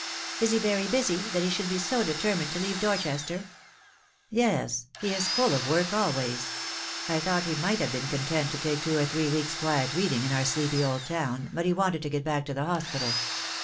"Is he very busy, that he should be so determined to leave Dorchester?" "Yes; he is full of work always. I thought he might have been content to take two or three weeks' quiet reading in our sleepy old town, but he wanted to get back to the hospital.